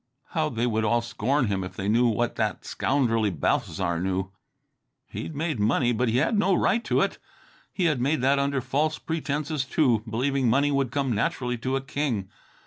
How they would all scorn him if they knew what that scoundrelly Balthasar knew. He'd made money, but he had no right to it. He had made that under false pretenses, too, believing money would come naturally to a king.